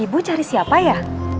ibu cari siapa ya